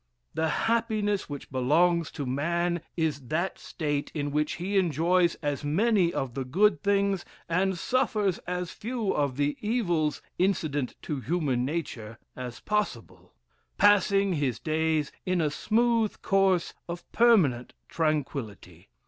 "The happiness which belongs to man, is that state in which he enjoys as many of the good things, and suffers as few of the evils incident to human nature as possible; passing his days in a smooth course of permanent tranquillity.